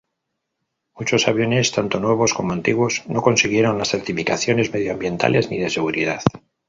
Muchos aviones, tanto nuevos como antiguos, no consiguieron las certificaciones medioambientales ni de seguridad.